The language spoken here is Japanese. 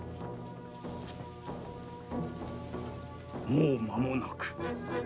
もう間もなく。